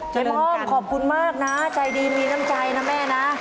พ่อมขอบคุณมากนะใจดีมีน้ำใจนะแม่นะ